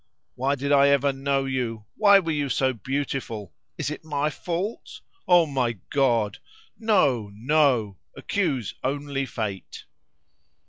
Why did I ever know you? Why were you so beautiful? Is it my fault? O my God! No, no! Accuse only fate."